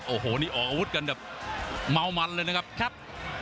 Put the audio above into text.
โอ้โหนี่ออกอาวุธกันแบบเมามันเลยนะครับ